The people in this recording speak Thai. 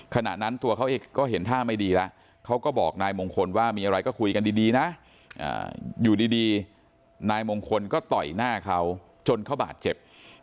ขณะนั้นตัวเขาเองก็เห็นท่าไม่ดีแล้วเขาก็บอกนายมงคลว่ามีอะไรก็คุยกันดีนะอยู่ดีนายมงคลก็ต่อยหน้าเขาจนเขาบาดเจ็บ